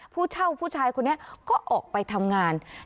ผู้เช่าผู้ชายคนนี้ก็ออกไปทำงาน